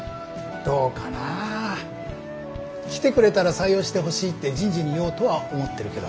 どうかなぁ。来てくれたら採用してほしいって人事に言おうとは思ってるけど。